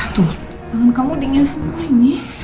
tuh tangan kamu dingin semua ini